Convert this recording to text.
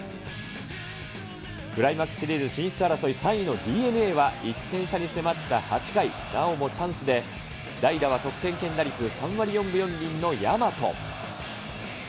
クライマックスシリーズ進出争い３位のＤｅＮＡは１点差に迫った８回、なおもチャンスで、代打は得点圏打率３割４分４厘の大和。